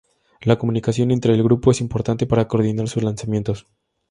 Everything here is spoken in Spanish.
La comunicación entre un grupo es importante para coordinar sus lanzamientos.